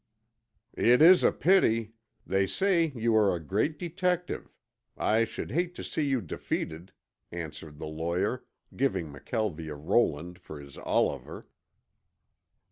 "It is a pity. They say you are a great detective. I should hate to see you defeated," answered the lawyer, giving McKelvie a Roland for his Oliver.